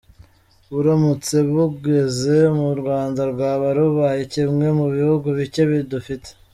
Buramutse bugeze mu Rwanda rwaba rubaye kimwe mu bihugu bicye bibufite.